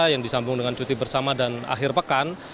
yang disambung dengan cuti bersama dan akhir pekan